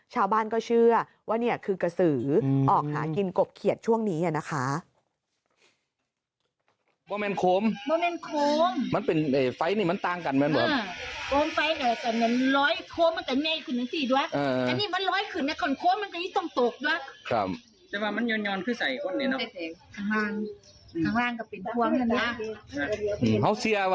ชาวบ้านก็เชื่อว่านี่คือกระสือออกหากินกบเขียดช่วงนี้นะคะ